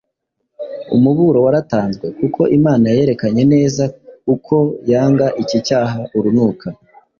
Umuburo waratanzwe kuko Imana yerekanye neza uko yanga iki cyaha urunuka;